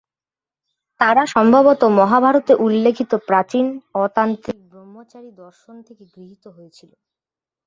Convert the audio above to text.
তারা সম্ভবত মহাভারতে উল্লেখিত প্রাচীন, অ-তান্ত্রিক ব্রহ্মচারী দর্শন থেকে গৃহীত হয়েছিল।